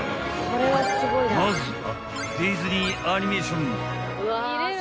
［まずは］